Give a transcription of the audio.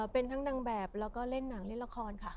เป็นทั้งนางแบบแล้วก็เล่นหนังเล่นละครค่ะ